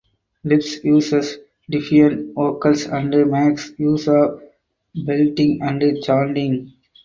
Lipa uses defiant vocals and makes use of belting and chanting.